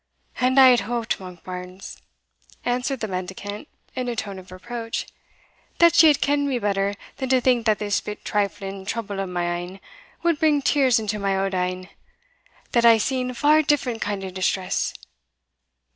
"And I had hoped, Monkbarns," answered the mendicant, in a tone of reproach, "that ye had ken'd me better than to think that this bit trifling trouble o' my ain wad bring tears into my auld een, that hae seen far different kind o' distress.